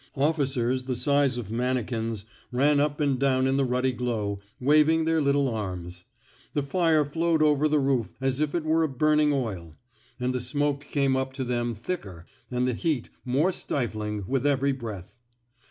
Officers the size of manikins ran up and down in the ruddy glow, waving their little arms. The fire flowed over the roof as if it were a burning oil; and the smoke came up to them thicker, and the heat more stifling, with every breath.